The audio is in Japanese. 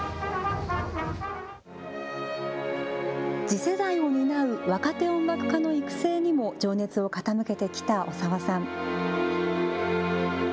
次世代を担う若手音楽家の育成にも情熱を傾けてきた小澤さん。